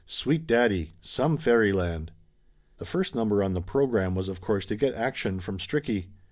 Sweet daddy ! Some fairyland ! The first number on the program was of course to get action from Stricky.